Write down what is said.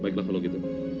baiklah kalau gitu